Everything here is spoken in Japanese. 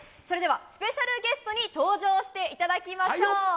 それではスペシャルゲストに登場していただきましょう。